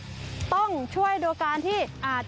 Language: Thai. สิ่งที่สำคัญเลยคือต้องช่วยโดยการที่จับหางย้อนออก